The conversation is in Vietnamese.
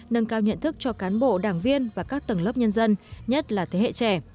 nâng cao nhận thức cho cán bộ đảng viên và các tầng lớp nhân dân nhất là thế hệ trẻ